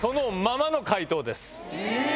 え